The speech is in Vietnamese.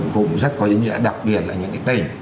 cũng rất có ý nghĩa đặc biệt là những cái tỉnh